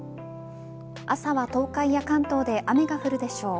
朝は東海や関東で雨が降るでしょう。